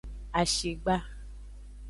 Ahigba.